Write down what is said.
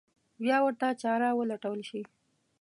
بیا ورته چاره ولټول شي.